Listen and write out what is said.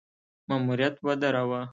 ماموریت ودراوه.